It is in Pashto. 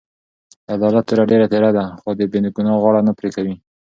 د عدالت توره ډېره تېره ده؛ خو د بې ګناه غاړه نه پرې کوي.